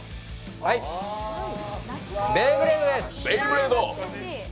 ベイブレードです。